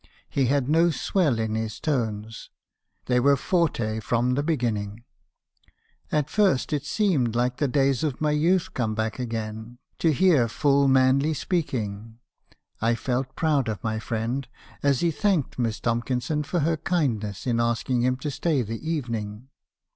He had no swell in his tones ; they were forte from the beginning. At first it seemed like the days of my youth come back again, to hear full manly speaking; I felt proud of my friend, as he thanked Miss Tomkinson for her kindness in asking him to stay the evening.